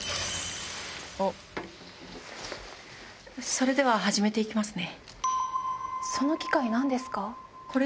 それでは始めていきますね。